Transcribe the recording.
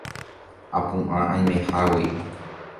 Apu'ã aimehágui